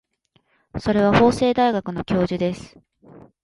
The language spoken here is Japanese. それは法政大学の教授です。